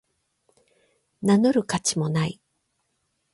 名乗る価値もない